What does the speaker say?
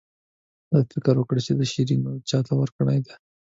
ده فکر وکړ چې شیرینو چاته ورکړې ده.